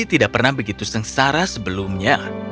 tidak pernah begitu sengsara sebelumnya